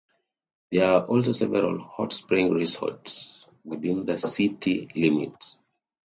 There are also several hot spring resorts within the city limits.